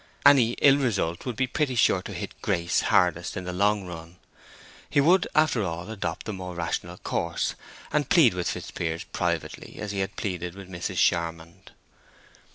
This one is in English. Any ill result would be pretty sure to hit Grace hardest in the long run. He would, after all, adopt the more rational course, and plead with Fitzpiers privately, as he had pleaded with Mrs. Charmond.